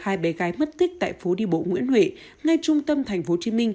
hai bé gái mất tích tại phố đi bộ nguyễn huệ ngay trung tâm tp hcm